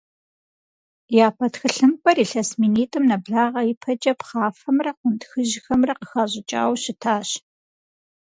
Япэ тхылъымпӏэр илъэс минитӏым нэблагъэ ипэкӏэ пхъафэмрэ къунтхыжьхэмрэ къыхащӏыкӏауэ щытащ.